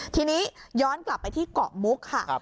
ทีนี้ย้อนกลับไปที่เกาะมุกค่ะ